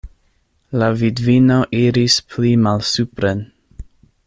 La vidvino iris pli malsupren.